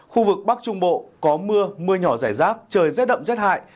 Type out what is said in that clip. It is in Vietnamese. khu vực bắc trung bộ có mưa mưa nhỏ rải rác trời rét đậm rét hại